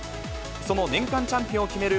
その年間チャンピオンを決める